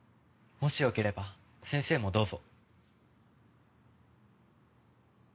もし良ければ先生もどうぞ。